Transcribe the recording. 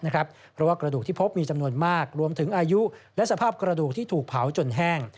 เพราะว่ากระดูกที่พบมีจำนวนมากรวมถึงอายุและสภาพกระดูกที่ถูกเผาจนแห้ง